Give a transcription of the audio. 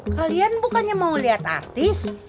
kalian bukannya mau lihat artis